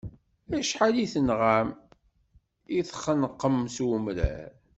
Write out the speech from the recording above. Acḥal i tenɣam, i txenqem s umrar.